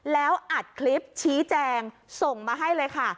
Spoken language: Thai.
แล้วอัดคลิปชี้แจงส่งมาให้เลยค่ะ